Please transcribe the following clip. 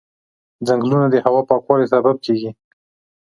ځنګلونه د هوا پاکوالي سبب کېږي.